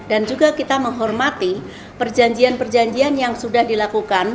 dan juga kita menghormati perjanjian perjanjian yang sudah dilakukan